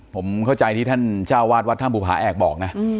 ผมเข้าใจที่ท่านเจ้าวาดวัดถ้ำภูผาแอกบอกนะ